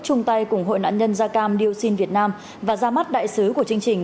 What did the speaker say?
chung tay cùng hội nạn nhân gia cam điêu sinh việt nam và ra mắt đại sứ của chương trình